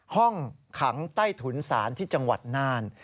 ห้องขังใต้ถุนศาลที่จังหวัดน่าน